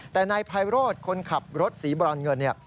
แต่นายภายรถคนขับรถสีบรอนเงิน